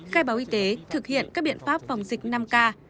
khai báo y tế thực hiện các biện pháp phòng dịch năm k